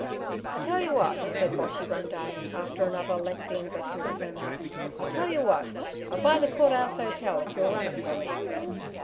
'I'll tell yer w'at' said Boshy one day, after another lengthy investment sermon—' I'll tell yer w'at: I'll buy the Court 'Ouse 'Otel if you'll run it fer me.'